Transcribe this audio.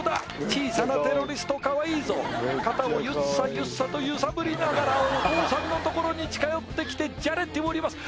小さなテロリストカワイイぞ肩をゆっさゆっさと揺さぶりながらお父さんのところに近寄ってきてじゃれております